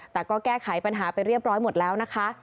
แต่ก็แก้ไขปัญหาไปเรียบร้อยหมดแล้วนะคะ